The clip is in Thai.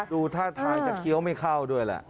ดูท่าทางจะเคี้ยวไม่เข้าด้วยแหละ